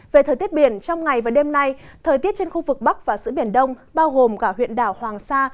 về thời tiết biển trong ngày và đêm nay thời tiết trên khu vực bắc và sữa biển đông bao gồm cả huyện đảo hoàng sa